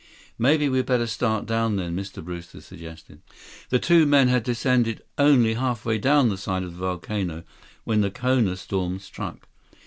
"Maybe we'd better start down, then," Mr. Brewster suggested. The two men had descended only halfway down the side of the volcano when the Kona storm struck.